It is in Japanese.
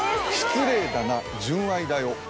「失礼だな純愛だよ」